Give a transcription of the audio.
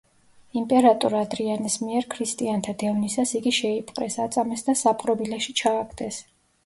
იმპერატორ ადრიანეს მიერ ქრისტიანთა დევნისას იგი შეიპყრეს, აწამეს და საპყრობილეში ჩააგდეს.